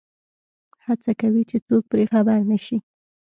هڅه کوي چې څوک پرې خبر نه شي.